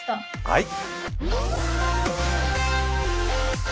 はい。